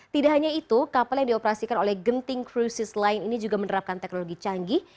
tidak hanya itu kapal yang dioperasikan oleh genting krisis line ini juga menerapkan teknologi canggih